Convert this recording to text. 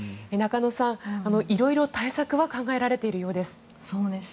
中野さん、いろいろ対策は考えられているようです。